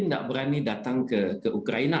tidak berani datang ke ukraina